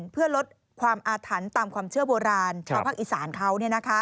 เพื่อลดความอาถรรพ์ตามความเชื่อโบราณชาวภาคอีสานเขา